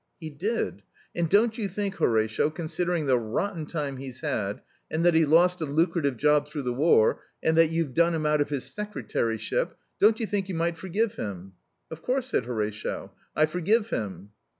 "He did. And don't you think, Horatio, considering the rotten time he's had, and that he lost a lucrative job through the war, and that you've done him out of his secretaryship, don't you think you might forgive him?" "Of course," said Horatio, "I forgive him."